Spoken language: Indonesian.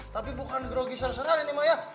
tapi bukan gerogi ser seran ini maya